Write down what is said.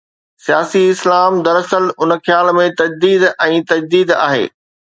’سياسي اسلام‘ دراصل ان خيال جي تجديد ۽ تجديد آهي.